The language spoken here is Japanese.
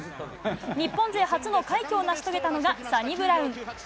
日本勢初の快挙を成し遂げたのが、サニブラウン。